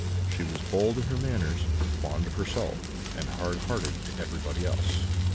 She was bold in her manners, fond of herself, and hardhearted to everybody else.